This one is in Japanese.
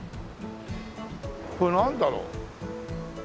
これなんだろう？